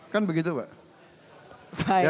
kan begitu pak